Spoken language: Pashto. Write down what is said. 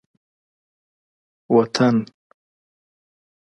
وطن